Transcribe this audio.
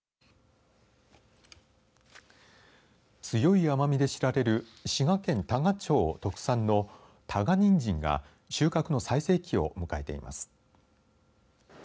強い甘みで知られる滋賀県多賀町特産の多賀にんじんが収穫の最盛期を迎えています。